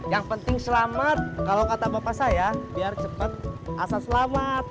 yang penting selamat kalau kata bapak saya biar cepat asal selamat